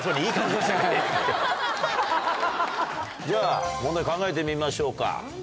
じゃあ問題考えてみましょうか。